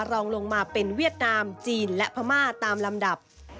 รองลงมาเป็นเวียดนามจีนและพม่าตามลำดับ